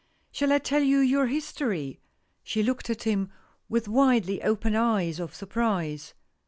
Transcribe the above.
" Shall I tell you your history ?" She looked at him with widely opened eyes of surprise.